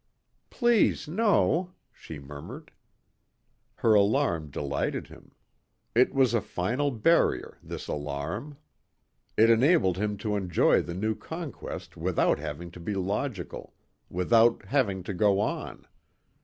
"Please no," she murmured. Her alarm delighted him. It was a final barrier, this alarm. It enabled him to enjoy the new conquest without having to be logical, without having to go on.